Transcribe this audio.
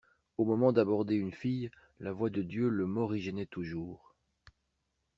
Au moment d'aborder une fille, la voix de Dieu le morigénait toujours.